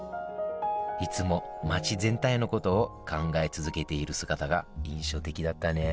いつも街全体のことを考え続けている姿が印象的だったね